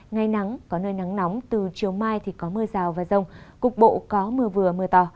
ngày nắng có nơi nắng nóng từ chiều mai thì có mưa rào và rông cục bộ có mưa vừa mưa to